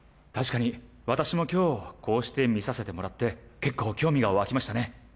確かに私も今日こうして見させてもらって結構興味が湧きましたね。